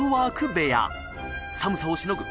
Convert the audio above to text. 部屋寒さをしのぐ